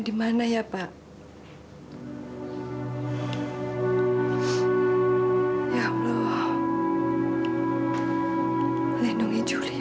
sampai jumpa di video selanjutnya